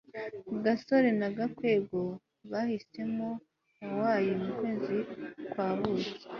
gasore na gakwego bahisemo hawaii mukwezi kwa buki